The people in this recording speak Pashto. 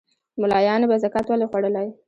مُلایانو به زکات ولي خوړلای